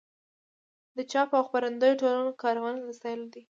د چاپ او خپرندویه ټولنو کارونه د ستایلو دي.